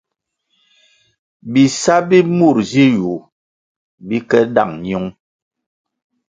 Bisa bi mur zi yu bi ke dáng ñiung.